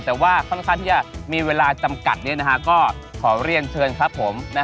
แต่ว่าค่อนข้างที่จะมีเวลาจำกัดก็ขอเรียนเชิญครับผม